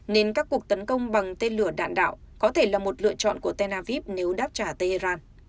nên các cuộc tấn công bằng tên lửa đạn đạo có thể là một lựa chọn của tel aviv nếu đáp trả tehran